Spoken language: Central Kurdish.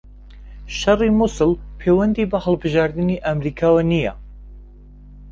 شەڕی موسڵ پەیوەندی بە هەڵبژاردنی ئەمریکاوە نییە